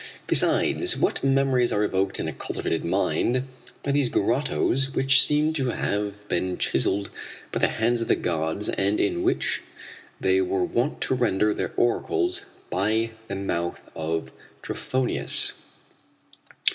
Besides, what memories are evoked in a cultivated mind by these grottoes which seem to have been chiselled by the hands of the gods and in which they were wont to render their oracles by the mouth of Trophonius."